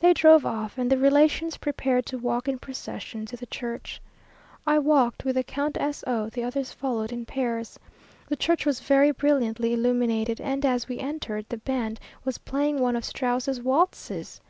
They drove off, and the relations prepared to walk in procession to the church. I walked with the Count S o, the others followed in pairs. The church was very brilliantly illuminated, and as we entered, the band was playing one of Strauss's waltzes!